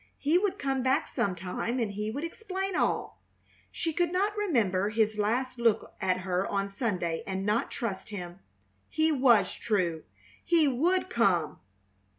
He would come back some time and he would explain all. She could not remember his last look at her on Sunday and not trust him. He was true! He would come!